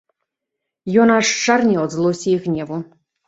Ён аж счарнеў ад злосці і гневу.